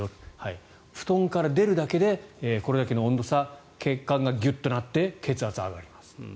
布団から出るだけでこれだけの温度差血管がギュッとなって血圧が上がります。